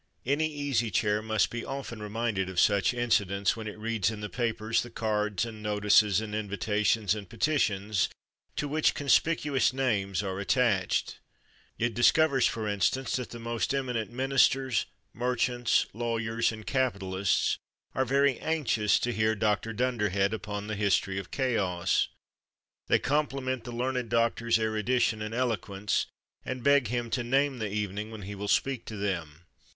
Any Easy Chair must be often reminded of such incidents when it reads in the papers the cards and notices and invitations and petitions to which conspicuous names are attached. It discovers, for instance, that the most eminent ministers, merchants, lawyers, and capitalists are very anxious to hear Dr. Dunderhead upon the history of chaos. They compliment the learned doctor's erudition and eloquence, and beg him to name the evening when he will speak to them.